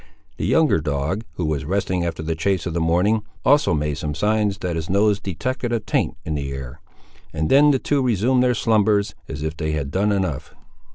The younger dog, who was resting after the chase of the morning, also made some signs that his nose detected a taint in the air, and then the two resumed their slumbers, as if they had done enough.